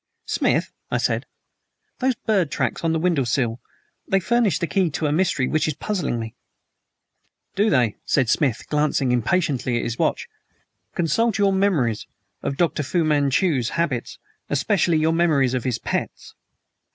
"Smith," I said, "those bird tracks on the window sill they furnish the key to a mystery which is puzzling me." "They do," said Smith, glancing impatiently at his watch. "Consult your memories of Dr. Fu Manchu's habits especially your memories of his pets."